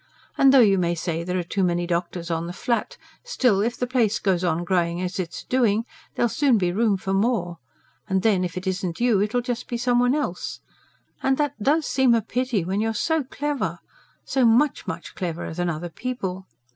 And though you may say there are too many doctors on the Flat, still, if the place goes on growing as it is doing, there'll soon be room for more; and then, if it isn't you, it'll just be some one else. And that DOES seem a pity, when you are so clever so much, much cleverer than other people!